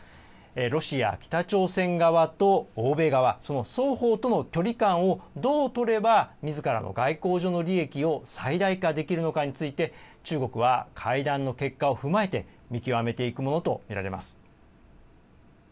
ロシア、北朝鮮側と欧米側、その双方との距離感をどう取ればみずからの外交上の利益を最大化できるのかについて中国は会談の結果を踏まえて見極めていくものと見られます。